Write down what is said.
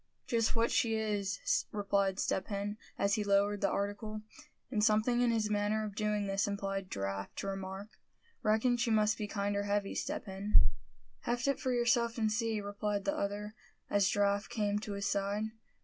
"Just what she is," replied Step Hen, as he lowered the article; and something in his manner of doing this impelled Giraffe to remark: "Reckon she must be kinder heavy, Step Hen?" "Heft it for yourself, and see," replied the other, as Giraffe came to his side.